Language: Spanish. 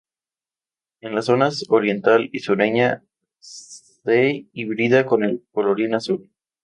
En las zonas oriental y sureña se hibrida con el colorín azul.